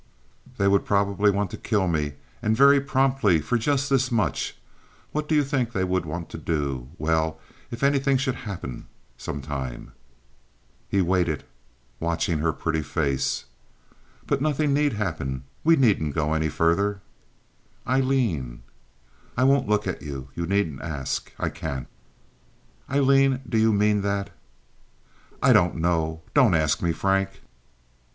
"They would probably want to kill me, and very promptly, for just this much. What do you think they would want to do if—well, if anything should happen, some time?" He waited, watching her pretty face. "But nothing need happen. We needn't go any further." "Aileen!" "I won't look at you. You needn't ask. I can't." "Aileen! Do you mean that?" "I don't know. Don't ask me, Frank."